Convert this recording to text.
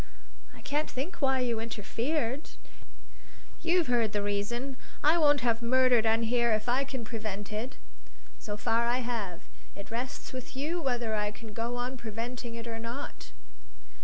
"I can't think why you interfered." "You've heard the reason. I won't have murder done here if I can prevent it; so far I have; it rests with you whether I can go on preventing it or not."